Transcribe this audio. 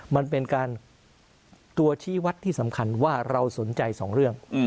มันเป็นการตัวชี้วัดที่สำคัญว่าเราสนใจสองเรื่อง